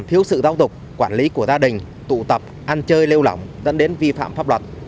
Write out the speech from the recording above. thiếu sự giáo dục quản lý của gia đình tụ tập ăn chơi lêu lỏng dẫn đến vi phạm pháp luật